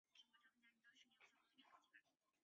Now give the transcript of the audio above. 希尼的总面积为平方公里。